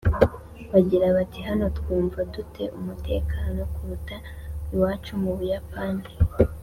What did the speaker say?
Bagira bati hano twumva du te umutekano kuruta iwacu mu Buyapani